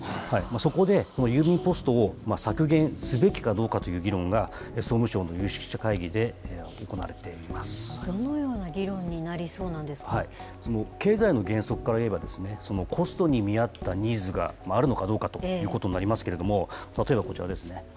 そこでこの郵便ポストを削減すべきかどうかという議論が総務省のどのような議論になりそうな経済の原則からいえばですね、コストに見合ったニーズがあるのかどうかということになりますけれども、例えばこちらですね。